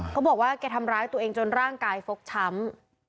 เขาบอกว่าแกทำร้ายตัวเองจนร่างกายฟกช้ำ